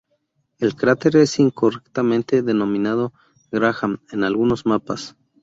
El cráter es incorrectamente denominado "Graham" en algunos mapas.